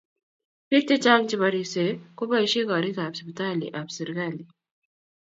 Bik chechang cheba resep kubashia korik ap siptali ab serikalit.